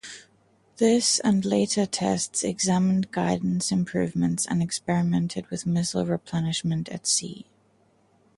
This, and later tests, examined guidance improvements and experimented with missile replenishment at sea.